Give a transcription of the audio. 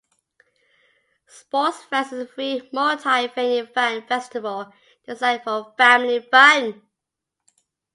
SportsFest is a free, multi-venue fan festival designed for family fun.